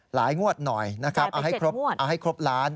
หลายงวดหน่อยนะครับเอาให้ครบล้าน